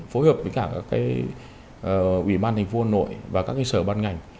phối hợp với cả các ủy ban thành phố hà nội và các sở ban ngành